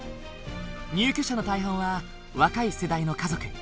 入居者の大半は若い世代の家族。